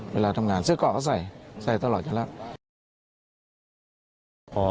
เวลาทำงานเสื้อเกาะก็ใส่ใส่ตลอดกันแล้ว